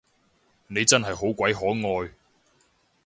你真係好鬼可愛